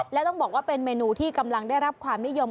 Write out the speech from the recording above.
และต้องบอกว่าเป็นเมนูที่กำลังได้รับความนิยม